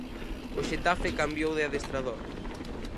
O Xetafe cambiou de adestrador.